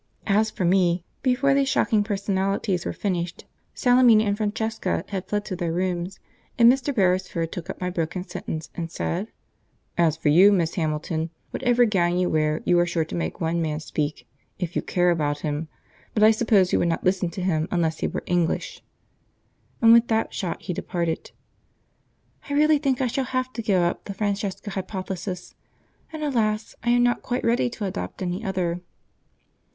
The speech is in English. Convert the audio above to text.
As for me " Before these shocking personalities were finished Salemina and Francesca had fled to their rooms, and Mr. Beresford took up my broken sentence and said, "As for you, Miss Hamilton, whatever gown you wear, you are sure to make one man speak, if you care about it; but, I suppose, you would not listen to him unless he were English"; and with that shot he departed. I really think I shall have to give up the Francesca hypothesis, and, alas! I am not quite ready to adopt any other.